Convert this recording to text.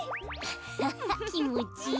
ハッハきもちいい。